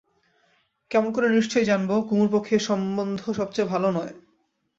কেমন করে নিশ্চয় জানব কুমুর পক্ষে এ সম্বন্ধ সব চেয়ে ভালো নয়?